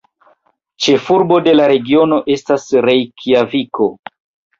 Ĉefurbo de la regiono estas Rejkjaviko.